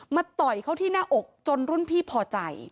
ต่อยเขาที่หน้าอกจนรุ่นพี่พอใจ